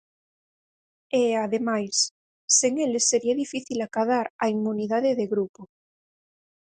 E, ademais, sen eles sería difícil acadar a inmunidade de grupo.